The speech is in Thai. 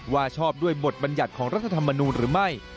ชอบด้วยบทบัญญัติของรัฐธรรมนูลหรือไม่